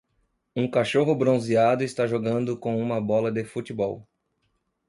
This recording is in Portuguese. Um cachorro bronzeado está jogando com uma bola de futebol